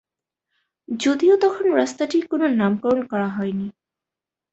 যদিও তখন রাস্তাটির কোন নামকরণ করা হয়নি।